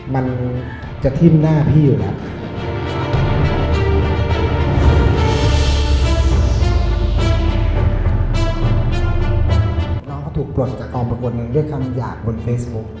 มันจะทิ่มหน้าพี่อยู่นะ